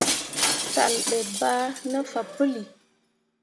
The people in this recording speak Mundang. Talle ɓe bah ne fah puli.